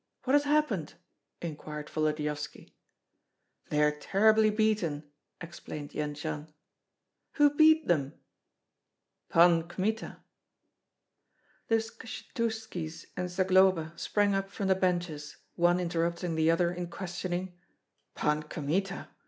What has happened?" inquired Volodyovski. "They are terribly beaten!" explained Jendzian. "Who beat them?" "Pan Kmita." The Skshetuskis and Zagloba sprang up from the benches, one interrupting the other in questioning, "Pan Kmita?